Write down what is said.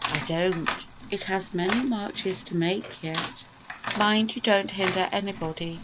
I don't. It has many marches to make yet. Mind you don't hinder anybody."